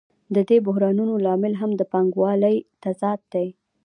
د دې بحرانونو لامل هم د پانګوالۍ تضاد دی